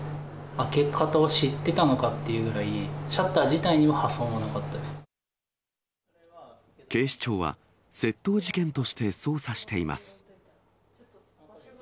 開け方を知ってたのかっていうくらい、シャッター自体には破損は警視庁は、窃盗事件として捜査しています。